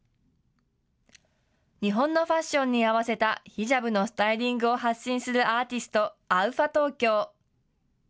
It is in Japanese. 日本のファッションに合わせたヒジャブのスタイリングを発信するアーティスト、ＡＵＦＡＴＯＫＹＯ。